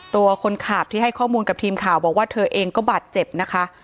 ตัวคนขับที่ให้ข้อมูลกับทีมข่าวบอกว่าเธอเองก็บาดเจ็บนะคะ